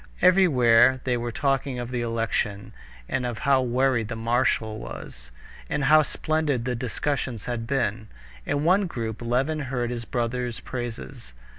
Everywhere they were talking of the election, and of how worried the marshal was, and how splendid the discussions had been. In one group Levin heard his brother's praises.